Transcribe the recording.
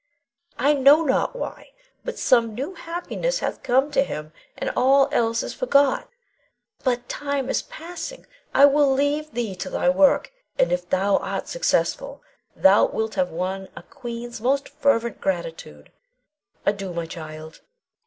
I know not why, but some new happiness hath come to him, and all else is forgot. But time is passing. I will leave thee to thy work, and if thou art successful, thou wilt have won a queen's most fervent gratitude. Adieu, my child!